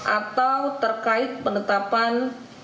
atau terkait penetapan